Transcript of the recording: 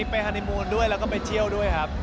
ไปฮันนี่มูนที่ด้วยแล้วก็ไปเที่ยวด้วยครับ